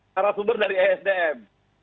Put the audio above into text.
karena sumber dari esdm